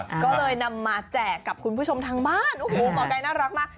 ก็เลยนำมาแจกกับคุณผู้ชมทางบ้านโอ้โหหมอไก่น่ารักมาก